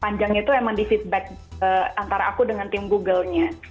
panjangnya itu emang di feedback antara aku dengan tim googlenya